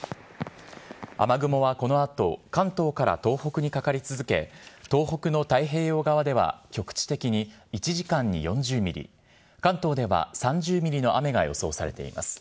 雨雲はこのあと関東から東北にかかり続け、東北の太平洋側では局地的に１時間に４０ミリ、関東では３０ミリの雨が予想されています。